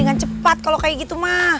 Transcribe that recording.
dengan cepat kalau kayak gitu mah